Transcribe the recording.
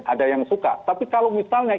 ada yang suka tapi kalau misalnya